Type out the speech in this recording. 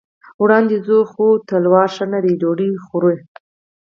وړاندې ځو، خو تلوار ښه نه دی، ډوډۍ خورئ.